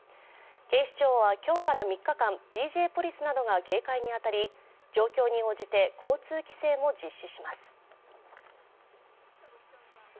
警視庁は今日から３日間ＤＪポリスなどが警戒に当たり状況に応じて、交通規制も実施します。